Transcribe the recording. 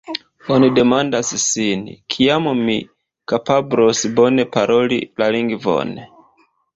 Oni demandas sin: “Kiam mi kapablos bone paroli la lingvon?